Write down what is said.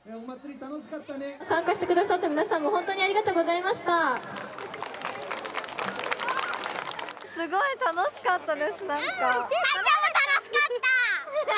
参加してくださった皆さん、本当にありがとうございました。